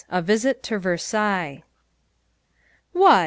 A Visit to Versailles_ "WHAT!"